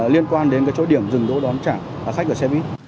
liên quan đến cái chỗ điểm dừng đỗ đón trảng khách ở xe buýt